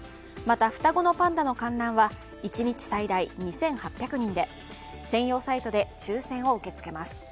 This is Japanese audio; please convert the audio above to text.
また、双子のパンダの観覧は一日最大２８００人で専用サイトで抽選を受け付けます。